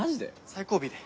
最後尾で。